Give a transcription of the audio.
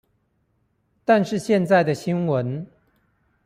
但是現在的新聞